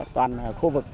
toàn khu vực